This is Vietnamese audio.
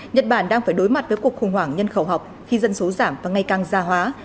nhật bản đang phải đối mặt với cuộc khủng hoảng nhân khẩu học khi dân số giảm và ngày càng gia hóa